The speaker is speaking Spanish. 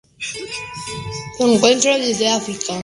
Se encuentra desde el África Oriental hasta Samoa y Hawaii.